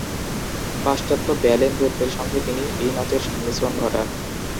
পাশ্চাত্য ব্যালে নৃত্যের সাথে তিনি এই নাচের সংমিশ্রণ ঘটান।